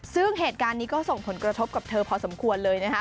ซึ่งเหตุการณ์นี้ก็ส่งผลกระทบกับเธอพอสมควรเลยนะคะ